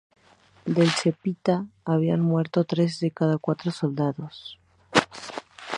Del "Zepita", habían muerto tres de cada cuatro soldados.